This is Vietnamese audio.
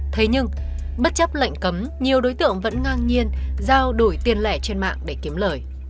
thế nhưng bất chấp lệnh cấm nhiều đối tượng vẫn ngang nhiên giao đổi tiền lẻ trên mạng để kiếm lời